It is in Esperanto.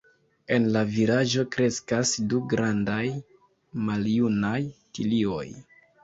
En la vilaĝo kreskas du grandaj maljunaj tilioj.